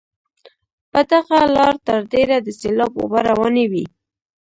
په دغه لاره تر ډېره د سیلاب اوبه روانې وي.